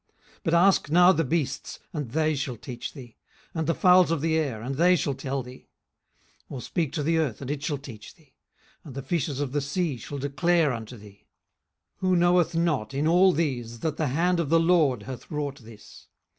18:012:007 But ask now the beasts, and they shall teach thee; and the fowls of the air, and they shall tell thee: 18:012:008 Or speak to the earth, and it shall teach thee: and the fishes of the sea shall declare unto thee. 18:012:009 Who knoweth not in all these that the hand of the LORD hath wrought this?